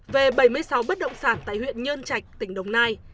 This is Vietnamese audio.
về bảy mươi sáu bất động sản tại huyện nhơn trạch tỉnh đồng nai